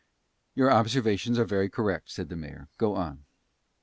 "Your observations are very correct," said the mayor; "go on."